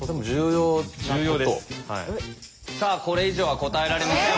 さあこれ以上は答えられません。